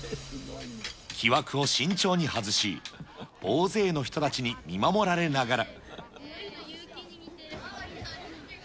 木枠を慎重に外し、大勢の人たちに見守られながら。